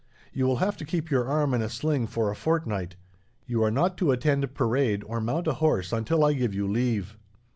You will have to keep your arm in a sling for a fortnight. You are not to attend parade, or mount a horse, until I give you leave."